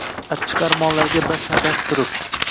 Achchiq armonlarga basma-basma turib.